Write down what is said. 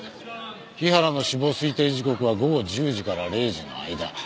日原の死亡推定時刻は午後１０時から０時の間。